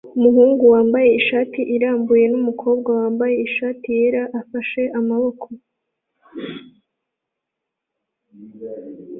Umuhungu wambaye ishati irambuye numukobwa wambaye ishati yera afashe amaboko